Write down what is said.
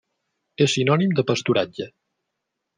És sinònim de pasturatge.